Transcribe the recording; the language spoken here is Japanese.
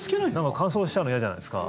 乾燥しちゃうの嫌じゃないですか。